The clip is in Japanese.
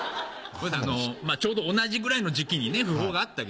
ちょうど同じぐらいの時期にね訃報があったけれども。